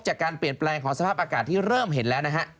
จากการเปลี่ยนแปลงของสภาพอากาศที่เริ่มเห็นแล้วนะฮะ